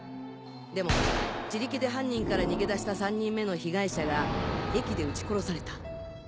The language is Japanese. でも自力で犯人から逃げ出した３人目の被害者が駅で撃ち殺された。